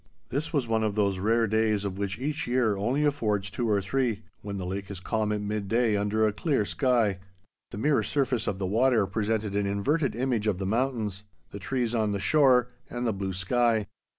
This was one of those rare days of which each year only affords two or three, when the lake is calm at midday under a clear sky. The mirror surface of the water presented an inverted image of the mountains, the trees on the shore, and the blue sky.